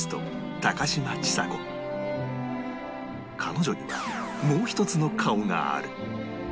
彼女にはもう一つの顔がある